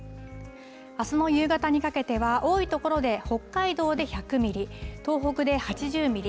あすの夕方にかけては多いところで北海道で１００ミリ東北で８０ミリ